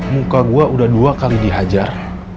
muka gue udah dua kali dihajar